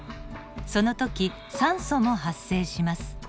その時酸素も発生します。